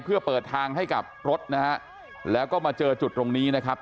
เพื่อเปิดทางให้กับรถนะฮะแล้วก็มาเจอจุดตรงนี้นะครับ